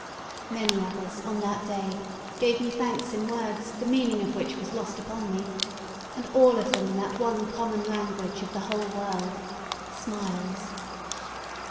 Many others, on that day, gave me thanks in words the meaning of which was lost upon me, and all of them in that one common language of the whole world smiles.